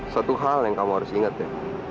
satu hal yang kamu harus ingat ya